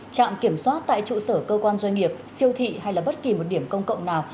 trạm kiểm soát tại trụ sở cơ quan doanh nghiệp siêu thị hay là bất kỳ một điểm công cộng nào